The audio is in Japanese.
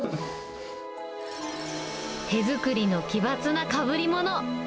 手作りの奇抜なかぶりもの。